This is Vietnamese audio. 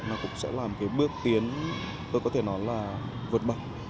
nó cũng sẽ là một cái bước tiến tôi có thể nói là vượt bậc